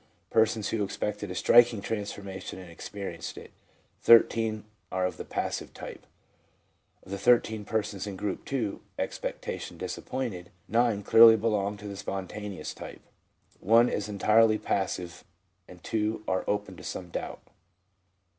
(persons who ex pected a striking transformation and experienced it), 13 are of the passive type. Of the 13 persons in Group II. (expectation disappointed), 9 clearly belong to the spontaneous type, 1 is entirely passive, and 2 are open to some doubt.